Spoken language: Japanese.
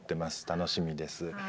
楽しみです。